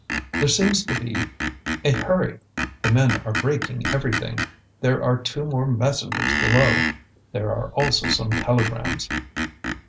"There seems to be a hurry; the men are breaking everything. There are two more messengers below. There are also some telegrams."